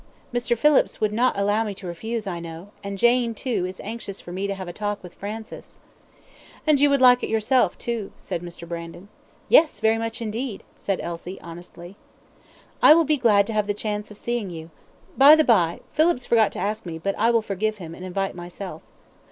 "Mr. Phillips would not allow me to refuse, I know; and Jane, too, is anxious for me to have a talk with Francis." "And you would like it yourself, too?" said Mr. Brandon. "Yes, very much indeed," said Elsie, honestly. "I will be glad to have the chance of seeing you. By the by, Phillips forgot to ask me; but I will forgive him, and invite myself."